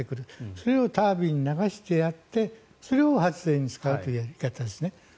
それをタービンに流してやってそれを発電に使うというやり方ですね。